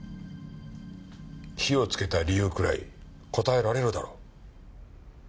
火をつけた理由くらい答えられるだろう。